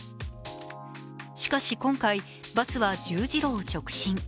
しかし、今回、バスは十字路を直進。